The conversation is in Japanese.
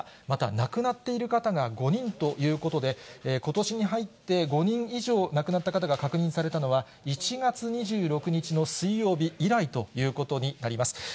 また亡くなっている方が５人ということで、ことしに入って５人以上亡くなった方が確認されたのは、１月２６日の水曜日以来ということになります。